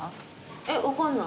えっ分かんない。